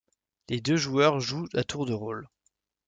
Les deux joueurs jouent à tour de rôle.